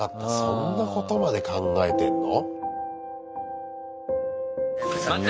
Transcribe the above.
そんなことまで考えてんの？